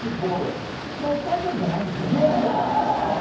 今日、誕生日じゃないんです。